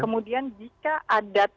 kemudian jika ada